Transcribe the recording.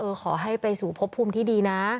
ขอให้ไปสู่พบภูมิที่ดีนะ